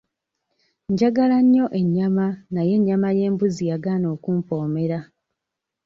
Njagala nnyo ennyama naye ennyama y'embuzi yagaana okumpoomera.